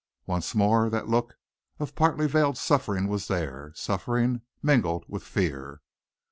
Once more that look of partly veiled suffering was there, suffering mingled with fear.